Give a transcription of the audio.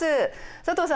佐藤さん